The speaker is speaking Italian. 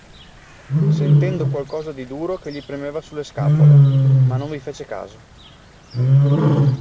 Sentendo qualcosa di duro che gli premeva sulle scapole, ma non vi fece caso.